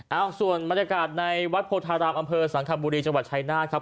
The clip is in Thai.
เอาส่วนมาจากาศในวัดโพธารามอำเภอสัมภาพบุรีจังหวัดชายน่าครับ